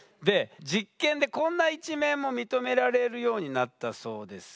実験でこんな一面も認められるようになったそうです。